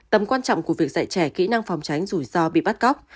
tầm quan trọng của việc dạy trẻ kỹ năng phòng tránh rủi ro bị bắt cóc